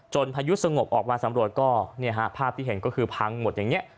พายุสงบออกมาสำรวจก็เนี่ยฮะภาพที่เห็นก็คือพังหมดอย่างนี้